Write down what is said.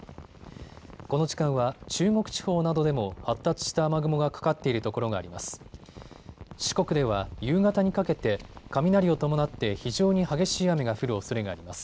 この時間は中国地方などでも発達した雨雲がかかっているところがあります。